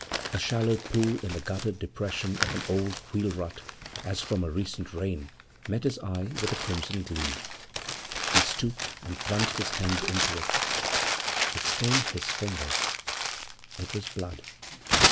A shallow pool in the guttered depression of an old wheel rut, as from a recent rain, met his eye with a crimson gleam. He stooped and plunged his hand into it. It stained his fingers; it was blood!